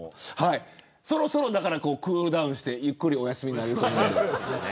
そろそろクールダウンしてゆっくりお休みになれると思うんで。